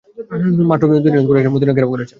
মাত্র দু-তিন দিন হয় কুরাইশরা মদীনা ঘেরাও করেছে।